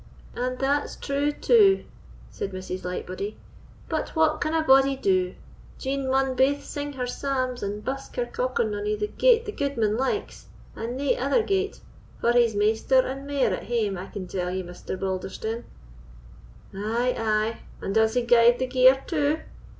"And that's true too," said Mrs. Lightbody, "but what can a body do? Jean maun baith sing her psalms and busk her cockernony the gate the gudeman likes, and nae ither gate; for he's maister and mair at hame, I can tell ye, Mr. Balderstone." "Ay, ay, and does he guide the gear too?"